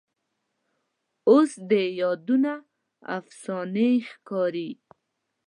اوس دې یادونه افسانې ښکاري